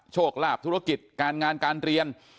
โชคลาภธุรกิจการงานการเรียน